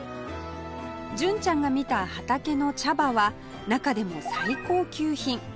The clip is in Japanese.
純ちゃんが見た畑の茶葉は中でも最高級品